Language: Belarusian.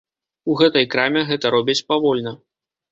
У гэтай краме гэта робяць павольна.